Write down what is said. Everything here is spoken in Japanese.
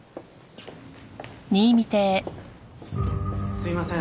すいません。